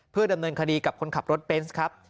เพื่อดำเนินคดีกับคนขับรถเบนส์ครับ